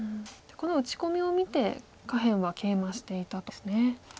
この打ち込みを見て下辺はケイマしていたんですね。